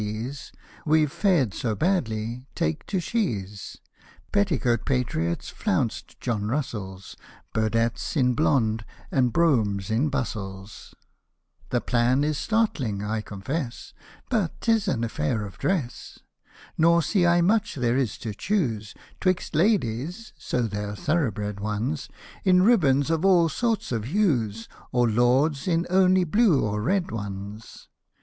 's We've fared so badly, take to she's — Petticoat patriots, flounced John Russells, Burdetts in blonde^ and Broughams in bustles. The plan is startling, I confess — But 'tis but an affair of dress ; Hosted by Google PROPOSALS FOR A GYN/ECOCRACV 219 Nor see I much there is to choose 'Twixt Ladies (so they're thoroughbred ones) In ribands of all sorts of hues, Or Lords in only l:)lue or red ones.